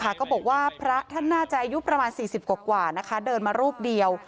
ก็บอกว่าพระท่านน่าจะอายุประมาณ๔๐กว่านะคะเดินมารูปเดียว